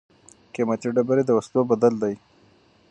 قیمتي ډبرې د وسلو بدل دي.